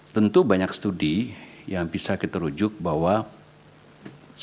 tentu banyak studi yang bisa kita rujuk bahwa